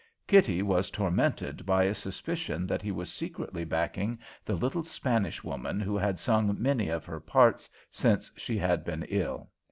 Kitty was tormented by a suspicion that he was secretly backing the little Spanish woman who had sung many of her parts since she had been ill.